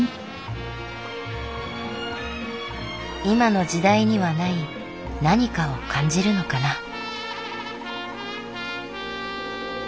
今の時代にはない何かを感じるのかな。